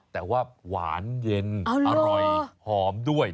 แต่ว่าหวานเย็นอร่อยหอมด้วย